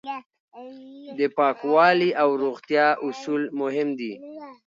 د پاکوالي او روغتیا اصول مهم دي.